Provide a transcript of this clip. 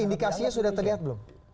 indikasinya sudah terlihat belum